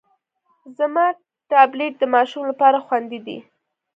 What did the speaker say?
زما ټابلیټ د ماشوم لپاره خوندي دی.